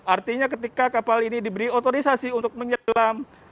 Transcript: artinya ketika kapal ini diberi otorisasi untuk menyelam